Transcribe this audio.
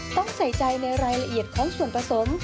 ต้องใส่ใจในรายละเอียดของส่วนผสม